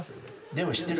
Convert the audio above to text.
でも知ってる？